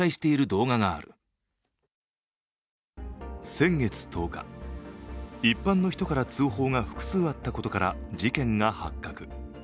先月１０日、一般の人から通報が複数あったことから事件が発覚。